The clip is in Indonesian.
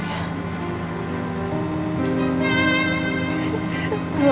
udah belom naya